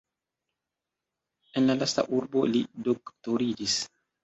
En la lasta urbo li doktoriĝis.